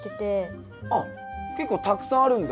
あっ結構たくさんあるんだ。